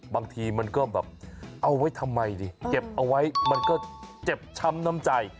บางทีมันก็แบบเอาไว้ทำไมดิเก็บเอาไว้มันก็เจ็บช้ำน้ำใจ